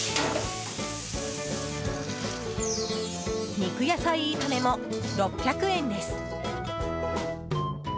肉野菜炒めも６００円です。